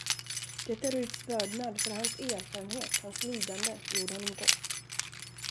Detta Ruts vördnad för hans erfarenhet, hans lidande, gjorde honom gott.